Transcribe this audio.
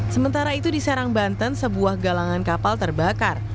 sementara itu di serang banten sebuah galangan kapal terbakar